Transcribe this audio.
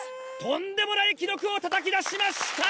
とんでもない記録をたたき出しました！